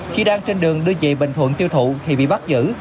khi đang trên đường đưa dị bệnh thuận tiêu thụ thì bị bắt giữ